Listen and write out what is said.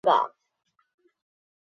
警察极力自制